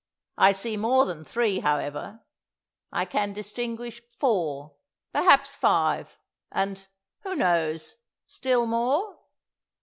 I see more than three, however; I can distinguish four, perhaps five, and who knows? still more.